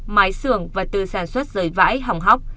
mái xưởng và từ sản xuất rời vãi hỏng hóc